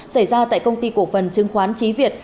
xảy ra tại công ty cổ phần chứng khoán trí việt